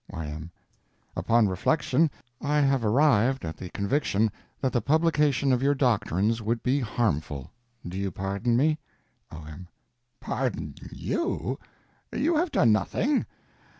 Y.M. Upon reflection I have arrived at the conviction that the publication of your doctrines would be harmful. Do you pardon me? O.M. Pardon you? You have done nothing.